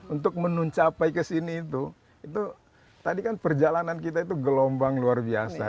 untuk menuncapai kesini itu itu tadi kan perjalanan kita itu gelombang luar biasa